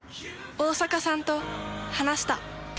大坂さんと話した。